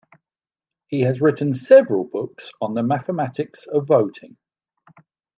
He has written several books on the mathematics of voting.